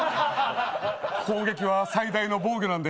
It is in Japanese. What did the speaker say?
攻撃は最大の防御なんで。